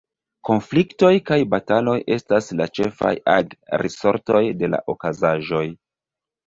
Konfliktoj kaj bataloj estas la ĉefaj ag-risortoj de la okazaĵoj.